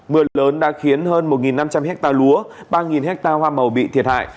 mưa lớn đã khiến hơn một năm trăm linh hectare lúa ba ha hoa màu bị thiệt hại